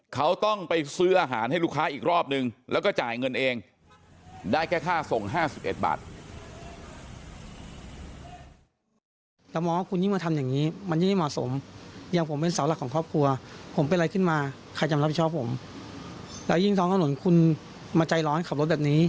เขาต้องไปซื้ออาหารให้ลูกค้าอีกรอบนึงแล้วก็จ่ายเงินเองได้แค่ค่าส่ง๕๑บาท